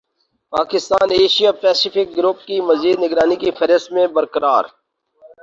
Pakistan Asia Pacific group کی مزید نگرانی کی فہرست میں برقرار